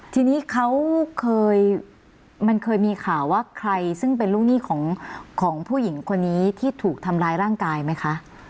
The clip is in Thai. ทีนี้เขาเคยมันเคยมีข่าวว่าใครซึ่งเป็นลูกหนี้ของผู้หญิงคนนี้ที่ถูกทำร้ายร่างกายไหมคะ